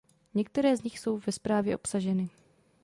Některé z nich jsou ve zprávě obsaženy.